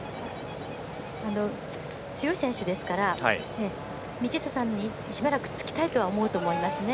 強い選手ですから道下さんにしばらくつきたいとは思うと思いますね。